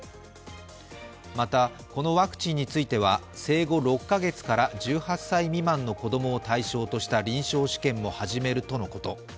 また、このワクチンについては生後６カ月から１８歳未満の子供を対象とした臨床試験も始めるとのこと。